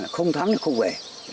không thắng thì không về